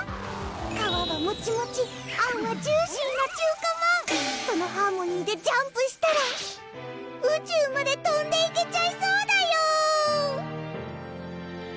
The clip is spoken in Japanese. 皮はもちもちあんはジューシーな中華まんそのハーモニーでジャンプしたら宇宙までとんでいけちゃいそうだよ！